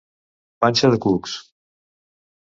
Panxa de cucs.